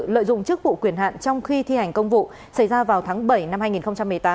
lợi dụng chức vụ quyền hạn trong khi thi hành công vụ xảy ra vào tháng bảy năm hai nghìn một mươi tám